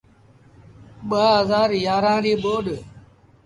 ٻآ هزآر يآرآن ريٚ ٻوڏ۔